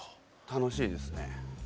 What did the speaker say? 楽しいですね。